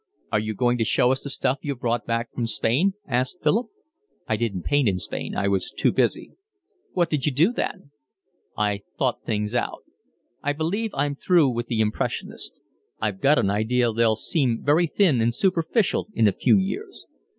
"Are you going to show us the stuff you've brought back from Spain?" asked Philip. "I didn't paint in Spain, I was too busy." "What did you do then?" "I thought things out. I believe I'm through with the Impressionists; I've got an idea they'll seem very thin and superficial in a few years.